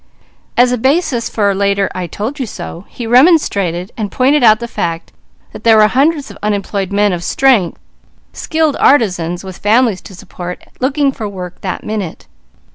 As a basis for a later "I told you so," he remonstrated, and pointed out the fact that there were hundreds of unemployed men of strength, skilled artisans with families to support, looking for work that minute.